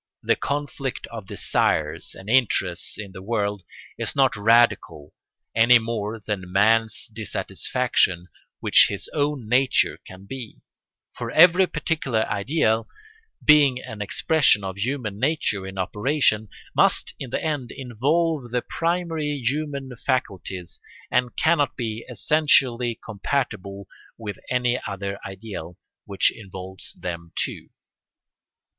The conflict of desires and interests in the world is not radical any more than man's dissatisfaction with his own nature can be; for every particular ideal, being an expression of human nature in operation, must in the end involve the primary human faculties and cannot be essentially incompatible with any other ideal which involves them too.